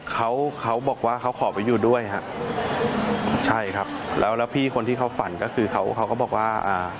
เขาบอกว่าเขาขอไปอยู่ด้วยครับใช่ครับแล้วพี่คนที่เขาฝันก็คือเขาก็บอกว่า